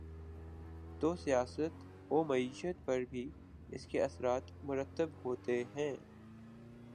تو سیاست ومعیشت پر بھی اس کے اثرات مرتب ہوتے ہیں۔